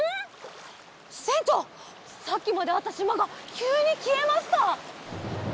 せんちょうさっきまであったしまがきゅうにきえました！